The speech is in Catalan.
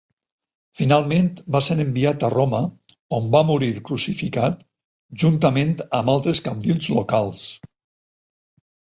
Finalment, va ser enviat a Roma, on va morir crucificat juntament amb altres cabdills locals.